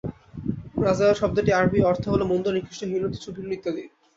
রাজায়েল শব্দটি আরবি, অর্থ হলো মন্দ, নিকৃষ্ট, হীন, তুচ্ছ, ঘৃণ্য ইত্যাদি।